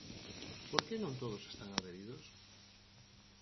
¿Por que non todos están adheridos?